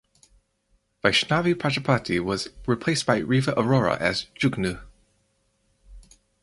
Vaishnavi Prajapati was replaced by Riva Arora as Jugnu.